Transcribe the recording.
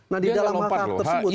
nah di dalam hak hak tersebut